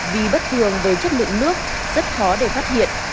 vì bất thường về chất lượng nước rất khó để phát hiện